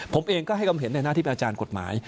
ผมเองก็ให้ความเห็นในหน้าที่เป็นอาจารย์กฎหมาย